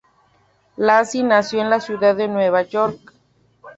Lacy nació en la ciudad de Nueva York.